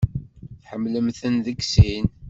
Tḥemmlemt-ten deg sin.